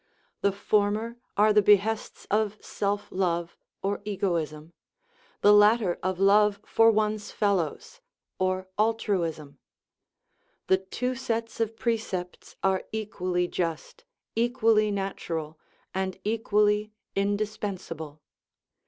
The former are the behests of self love or ego ism, the latter of love for one's fellows or altruism. The two sets of precepts are equally just, equally natural, and equally indispensable.